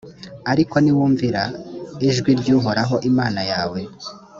ariko niwumvira ijwi ry’uhoraho imana yawe,